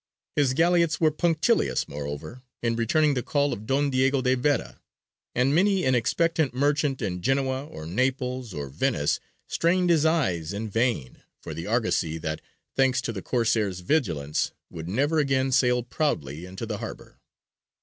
His galleots were punctilious, moreover, in returning the call of Don Diego de Vera, and many an expectant merchant in Genoa, or Naples, or Venice, strained his eyes in vain for the argosy that, thanks to the Corsair's vigilance, would never again sail proudly into the harbour.